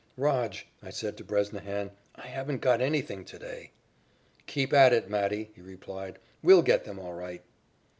"Rog," I said to Bresnahan, "I haven't got anything to day." "Keep at it, Matty," he replied. "We'll get them all right."